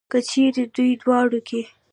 که چېرې دې دواړو کې.